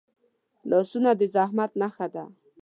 لاسونه د زحمت نښه ده